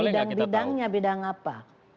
lihat saja bina bidangnya bidang apa